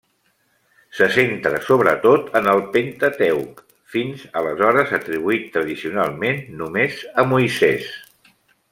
Se centra sobretot en el Pentateuc, fins aleshores atribuït tradicionalment només a Moisès.